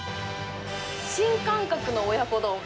新感覚の親子丼。